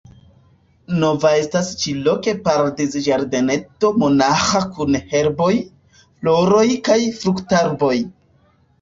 Nova estas ĉi-loke paradiz-ĝardeneto monaĥa kun herboj, floroj kaj fruktarboj.